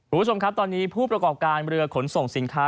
คุณผู้ชมครับตอนนี้ผู้ประกอบการเรือขนส่งสินค้า